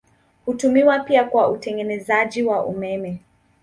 Hutumiwa pia kwa utengenezaji wa umeme.